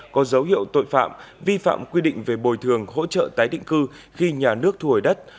có dấu hiệu tội phạm vi phạm quy định về bồi thường hỗ trợ tái định cư khi nhà nước thu hồi đất